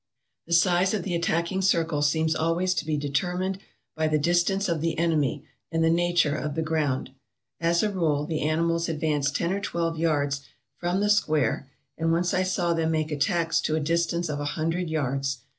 " The size of the attacking circle seems always to be deter mined by the distance of the enemy and the nature of the ground. As a rule, the animals advance ten or twelve yards from the square, and once I saw them make attacks to a distance of a hundred yards.